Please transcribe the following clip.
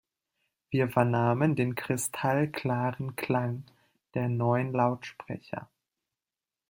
Wir vernahmen den kristallklaren Klang der neuen Lautsprecher.